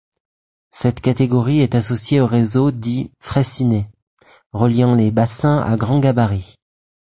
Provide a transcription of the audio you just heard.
Cette catégorie est associée au réseau dit Freycinet, reliant les bassins à grand gabarit.